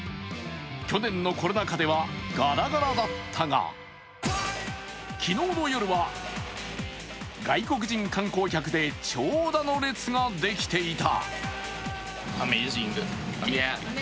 去年のコロナ禍ではガラガラだったが、昨日の夜は外国人観光客で長蛇の列ができていた。